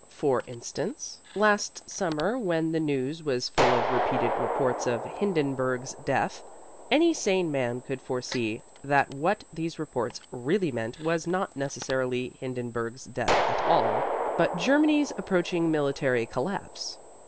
For instance, last summer when the news was full of repeated reports of Hindenburg's death, any sane man could foresee that what these reports really meant was not necessarily Hindenburg's death at all, but Germany's approaching military collapse.